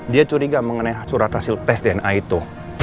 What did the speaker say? dia curiga mengenai surat hasil tes dna itu